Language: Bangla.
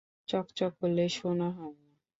চক চক করলেই সোনা হয় না।